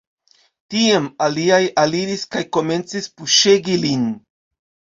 Tiam aliaj aliris kaj komencis puŝegi lin.